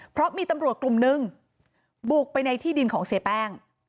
เพราะมีตำรวจกลุ่มนึงบุกไปในที่ดินของเสียแป้ง